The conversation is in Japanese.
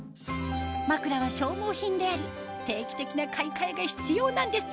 まくらは消耗品であり定期的な買い替えが必要なんです